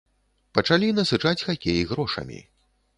Пачалі насычаць хакей грошамі.